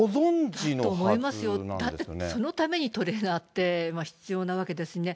だと思いますよ、だってそのためにトレーナーって必要なわけですしね。